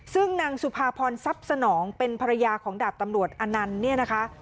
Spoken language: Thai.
ซึ่งนางสุภาพรซับสนองเป็นภรรยาของดาบตำรวจอนันทร์